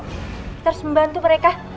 kita harus membantu mereka